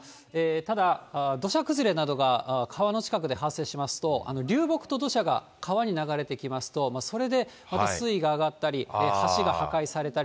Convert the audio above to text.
ただ、土砂崩れなどが川の近くで発生しますと、流木と土砂が川に流れてきますと、それで水位が上がったり、橋が破壊されたり、